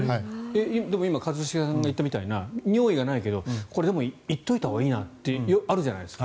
今、一茂さんが言ったみたいな尿意がないけど行っておいたほうがいいなってあるじゃないですか。